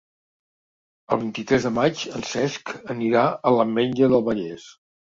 El vint-i-tres de maig en Cesc anirà a l'Ametlla del Vallès.